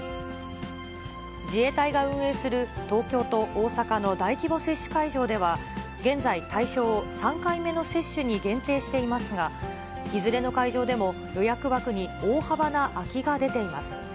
自衛隊が運営する東京と大阪の大規模接種会場では、現在、対象を３回目の接種に限定していますが、いずれの会場でも、予約枠に大幅な空きが出ています。